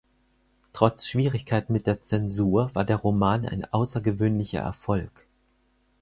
Trotz Schwierigkeiten mit der Zensur war der Roman ein außergewöhnlicher Erfolg.